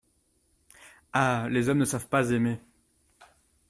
Ah ! les hommes ne savent pas aimer !…